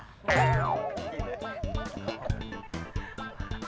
จริงเลย